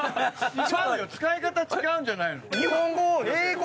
使い方違うんじゃないの？